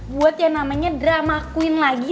buat yang namanya drama queen lagi